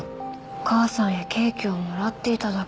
お母さんへケーキをもらっていただけか。